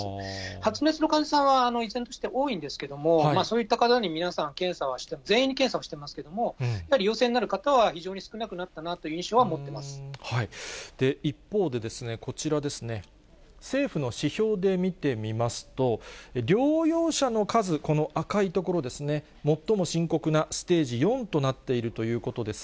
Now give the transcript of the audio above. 発熱の患者さんは、依然として多いんですけれども、そういった方に皆さん検査はして、全員に検査をしてますけれども、やはり陽性になる方は非常に少なくなったなという印象は持ってま一方で、こちらですね、政府の指標で見てみますと、療養者の数、この赤い所ですね、最も深刻なステージ４となっているということです。